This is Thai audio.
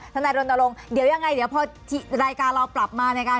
ท้านายรณรงค์เดี๋ยวยังไงเดี๋ยวพอที่แรกการเราปรับมา